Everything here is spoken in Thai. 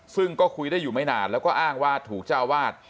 ซึ่งก็คุยได้อยู่ไม่นานแล้วก็อ้างว่าถูกเจ้าวาด